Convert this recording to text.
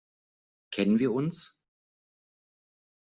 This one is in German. Kennen wir uns?